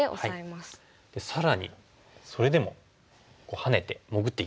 更にそれでもハネて潜っていきます。